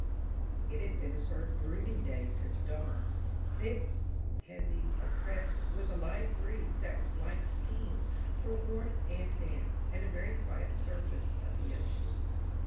It had been a sort of brooding day since dawn ; thick, heavy, oppressive, with a light breeze that was like steam for warmth and damp, and a very quiet surface of ocean.